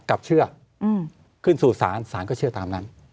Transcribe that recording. กลับเชื่อขึ้นสู่ศาลศาลก็เชื่อตามนั้น